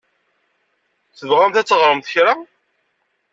Tebɣamt ad teɣṛemt kra?